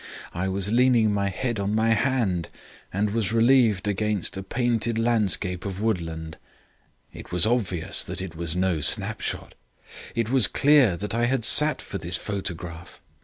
I was leaning my head on my hand and was relieved against a painted landscape of woodland. It was obvious that it was no snapshot; it was clear that I had sat for this photograph.